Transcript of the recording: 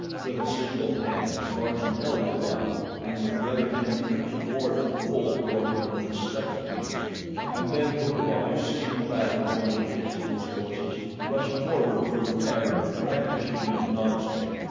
With a single hand Tarzan held the one, and with the other hand he reached forth and pulled toward him the second beast. And then Bukawai, seeing the battle going against his forces, rushed forward from the cavern brandishing his knob stick.